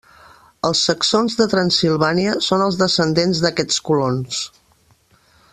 Els Saxons de Transsilvània són els descendents d'aquests colons.